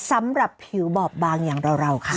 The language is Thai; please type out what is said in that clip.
สำหรับผิวบอบบางอย่างเราค่ะ